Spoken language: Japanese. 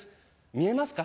見えますか？